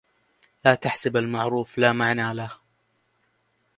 لا تحسب المعروف لا معنى له